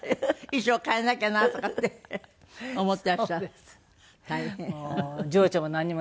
衣装替えなきゃなとかって思っていらっしゃる。